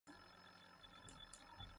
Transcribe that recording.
اسے گوݜ چکرِیار دائے ہتُن۔